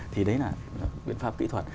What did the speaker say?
thì đấy là biện pháp kỹ thuật